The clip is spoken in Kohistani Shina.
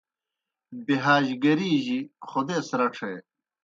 بِہَاج گری جیْ خودیس رڇھے۔